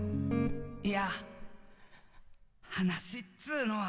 いや、話っつうのは